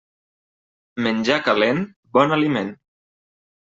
Menjar calent, bon aliment.